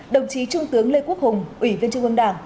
đồng chí trung tướng lê quốc hùng ủy viên trung ương đảng